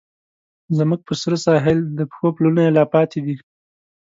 زموږ په سره ساحل، د پښو پلونه یې لا پاتې دي